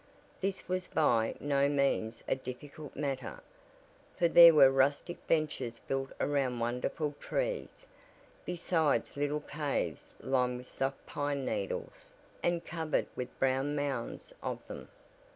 This was by no means a difficult matter, for there were rustic benches built around wonderful trees, besides little caves lined with soft pine needles and covered with brown mounds of them.